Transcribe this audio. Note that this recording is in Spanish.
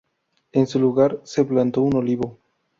En su lugar, se plantó un olivo.